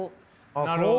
なるほどね。